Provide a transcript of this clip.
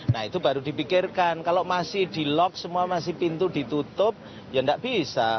nah itu baru dipikirkan kalau masih di lock semua masih pintu ditutup ya tidak bisa